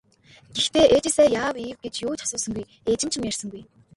Гэхдээ ээжээсээ яав ийв гэж юу ч асуусангүй, ээж нь ч юм ярьсангүй.